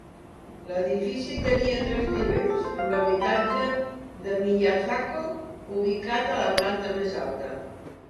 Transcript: L'edifici tenia tres nivells, amb l'habitatge de Miyazato ubicat a la planta més alta.